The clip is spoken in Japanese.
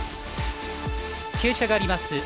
傾斜があります